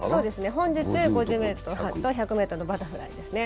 本日、５０ｍと１００ｍのバタフライですね。